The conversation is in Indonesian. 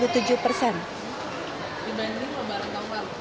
dibanding lebaran tahun lalu